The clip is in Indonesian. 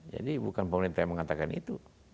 jadi bukan pemerintah yang mengatakan itu